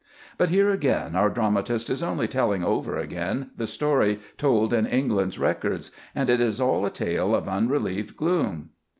But here, again, our dramatist is only telling over again the story told in England's records, and it is all a tale of unrelieved gloom.